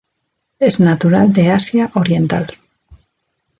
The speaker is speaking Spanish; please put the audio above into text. Es natural de Asia oriental.